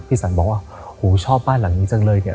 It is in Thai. สันบอกว่าโหชอบบ้านหลังนี้จังเลยเนี่ย